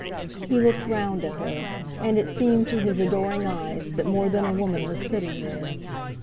He looked round at her; and it seemed to his adoring eyes that more than a woman was sitting there.